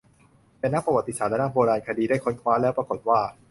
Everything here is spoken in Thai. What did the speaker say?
แต่นักประวัติศาสตร์และนักโบราณคดีได้ค้นคว้าแล้วปรากฏว่า